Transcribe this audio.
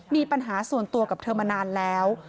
มีปัญหาส่วนตัวกับเธอมานานแล้ว